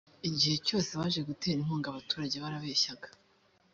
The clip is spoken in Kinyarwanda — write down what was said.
igihe cyose baje gutera inkunga abaturage barabeshyaga